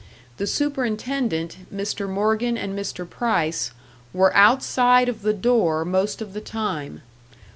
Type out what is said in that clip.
The superintendent, Mr. Morgan, and Mr. Price, were outside of the door most of the time.